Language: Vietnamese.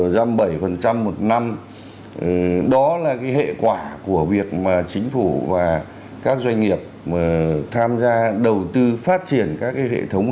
giam bảy một năm đó là cái hệ quả của việc mà chính phủ và các doanh nghiệp tham gia đầu tư phát triển các cái hệ thống hàng